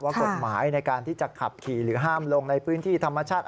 กฎหมายในการที่จะขับขี่หรือห้ามลงในพื้นที่ธรรมชาติ